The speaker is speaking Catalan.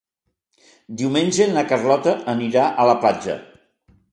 Diumenge na Carlota anirà a la platja.